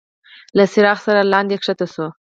له څراغ سره لاندي کښته شو.